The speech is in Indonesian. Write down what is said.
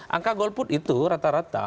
angka golput itu rata rata